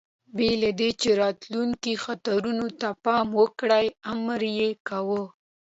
بې له دې، چې راتلونکو خطرونو ته پام وکړي، امر یې کاوه.